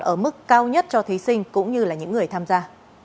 ở mức cao nhất cho thí sinh cũng như là những người tham gia